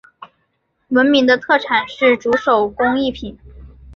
闻名的特产是竹手工艺品。